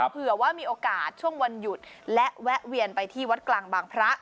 เผื่อว่ามีโอกาสช่วงวันหยุดและแวะเวียนไปที่วัดกลางบางพระ